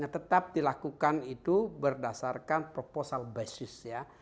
tetap dilakukan itu berdasarkan proposal basis ya